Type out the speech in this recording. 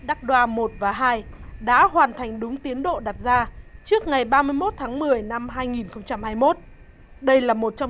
đắc đoa một và hai đã hoàn thành đúng tiến độ đặt ra trước ngày ba mươi một tháng một mươi năm hai nghìn hai mươi một đây là một trong